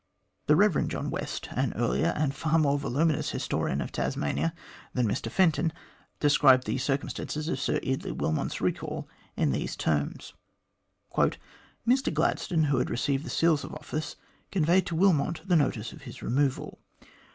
The Eev. John West, an earlier and far more voluminous historian of Tasmania than Mr Fenton, described the circumstances of Sir Eardley Wilmot's recall in these terms :" Mr Gladstone, who had received the seals of office, conveyed to Wilmot the notice of his removal.